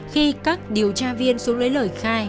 khi các điều tra viên xuống lấy lời khai